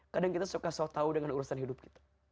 kadang kita suka sotau dengan urusan hidup kita